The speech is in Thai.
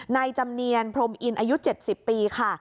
จำเนียนพรมอินอายุ๗๐ปีค่ะ